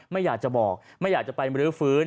ไม่อยากจะบอกไม่อยากจะไปมรื้อฟื้น